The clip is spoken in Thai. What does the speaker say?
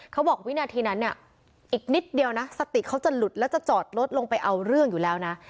วินาทีนั้นเนี่ยอีกนิดเดียวนะสติเขาจะหลุดแล้วจะจอดรถลงไปเอาเรื่องอยู่แล้วนะ